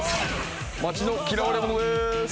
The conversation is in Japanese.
町の嫌われ者です。